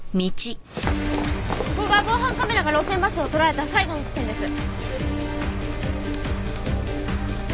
ここが防犯カメラが路線バスを捉えた最後の地点です。